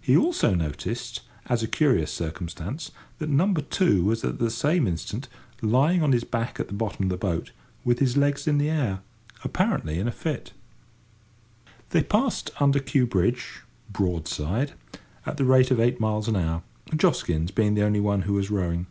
He also noticed, as a curious circumstance, that number two was at the same instant lying on his back at the bottom of the boat, with his legs in the air, apparently in a fit. They passed under Kew Bridge, broadside, at the rate of eight miles an hour. Joskins being the only one who was rowing.